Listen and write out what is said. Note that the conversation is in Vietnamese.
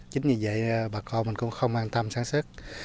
chính vì vậy bà con mình cũng không an tâm sản xuất